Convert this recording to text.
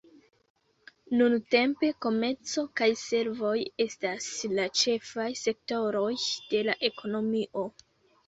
Nuntempe komerco kaj servoj estas la ĉefaj sektoroj de la ekonomio.